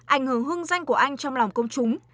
ảnh hưởng hương danh của anh trong lòng công chúng